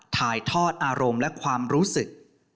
ถ่ายทอดอารมณ์และความรู้สึก